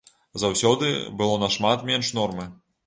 Заўсёды было нашмат менш нормы.